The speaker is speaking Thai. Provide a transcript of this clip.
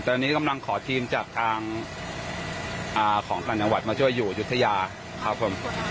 ตอนนี้กำลังขอทีมจากทางของต่างจังหวัดมาช่วยอยู่ยุธยาครับผม